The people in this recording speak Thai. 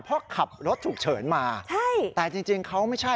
เพราะขับรถฉุกเฉินมาใช่แต่จริงจริงเขาไม่ใช่